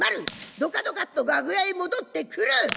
ドカドカっと楽屋へ戻ってくる。